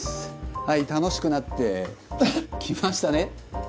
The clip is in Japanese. はい楽しくなってきましたね。